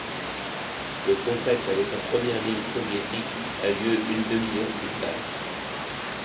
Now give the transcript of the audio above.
Le contact avec la première ligne soviétique a lieu une demi-heure plus tard.